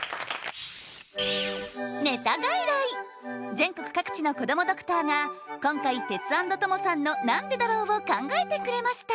全国各地のこどもドクターが今回テツａｎｄトモさんのなんでだろうを考えてくれました